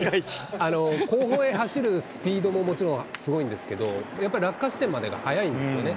後方へ走るスピードももちろんすごいんですけど、やっぱり落下地点まで速いんですよね。